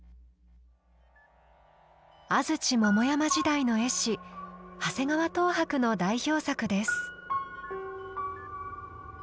安土桃山時代の絵師長谷川等伯の代表作です。